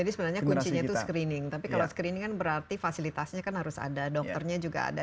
jadi sebenarnya kuncinya itu screening tapi kalau screening kan berarti fasilitasnya kan harus ada dokternya juga ada